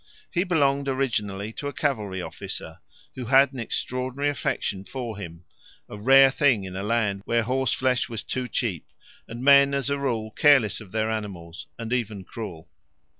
He belonged originally to a cavalry officer who had an extraordinary affection for him a rare thing in a land where horseflesh was too cheap, and men as a rule careless of their animals and even cruel.